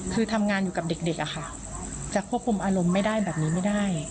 คือทำงานอยู่กับเด็กอะค่ะจะควบคุมอารมณ์ไม่ได้แบบนี้ไม่ได้